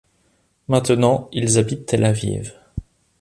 Maintenant ils habitent Tel Aviv.